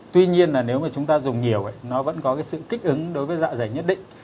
tuy nhiên là nếu mà chúng ta dùng nhiều nó vẫn có cái sự kích ứng đối với dạ dày nhất định